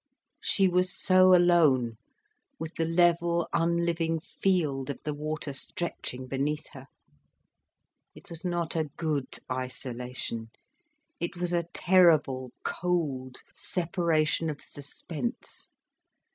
She was so alone, with the level, unliving field of the water stretching beneath her. It was not a good isolation, it was a terrible, cold separation of suspense.